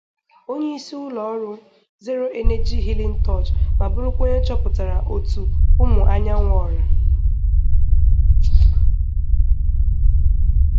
onyeisi ụlọọrụ 'Zero Energy Healing Touch' ma bụrụkwa onye chọpụtara òtù Ụmụ Anyanwụ Ọra